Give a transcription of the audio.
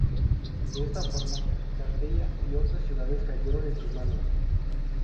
De esta forma, Carteia y otras ciudades cayeron en sus manos.